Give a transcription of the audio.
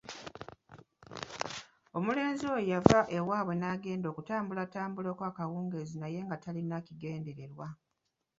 Omulenzi oyo yava ewaabwe n'agenda okutambulatambulako akawungeezi naye nga talina kigendererwa.